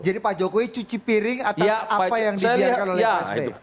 jadi pak jokowi cuci piring atas apa yang dibiarkan oleh sp